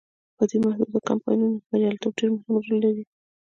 په دې محدودو کمپاینونو کې بریالیتوب ډیر مهم رول لري.